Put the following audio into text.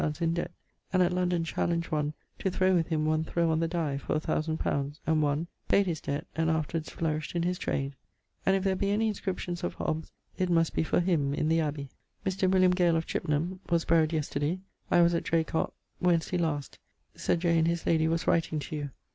_ in debt; and at London challenged one to throw with him one throw on the dye for 1000 li., and wonn, payd his debt, and afterwards flourished in his trade, and if there be any inscriptions of H, it must be for him, in the abbye. Mr. William Gale of Chipnam was buried yesterday. I was at Dracot, Wensday last; Sir J. and his lady was writing to you.